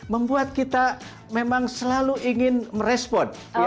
membuat kita memang selalu ingin merespon